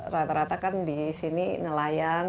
rata rata kan disini nelayan